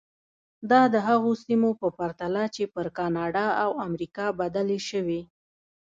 دا د هغو سیمو په پرتله چې پر کاناډا او امریکا بدلې شوې.